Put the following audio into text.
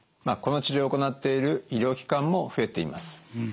この治療を行っている医療機関も増えています。